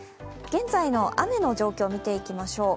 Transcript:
現在の雨の状況を見ていきましょう。